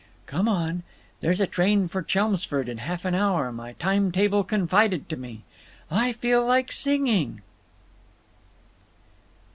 "Come on. There's a train for Chelmsford in half an hour, my time table confided to me. I feel like singing."